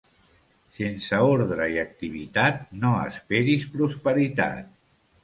Sense ordre i activitat no esperis prosperitat.